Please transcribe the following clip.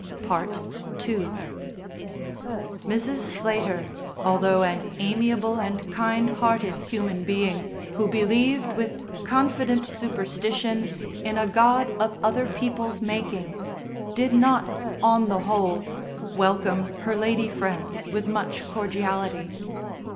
II Mrs. Slater, although an amiable and kind hearted human being who believed with confident superstition in a God of other people's making, did not, on the whole, welcome her lady friends with much cordiality.